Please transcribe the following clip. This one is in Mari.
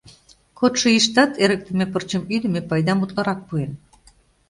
Кодшо ийыштат эрыктыме пырчым ӱдымӧ пайдам утларак пуэн.